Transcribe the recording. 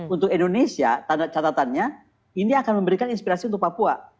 untuk indonesia tanda catatannya ini akan memberikan inspirasi untuk papua